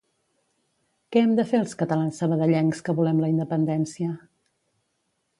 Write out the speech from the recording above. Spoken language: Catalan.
Que hem de fer els catalans Sabadellencs que volem la independència?